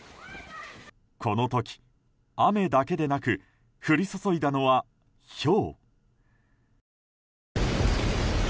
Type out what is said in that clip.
この時、雨だけでなく降り注いだのは、ひょう。